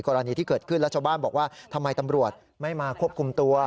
กรณีที่เกิดขึ้นแล้วชาวบ้านบอกว่าทำไมตำรวจไม่มาควบคุมตัว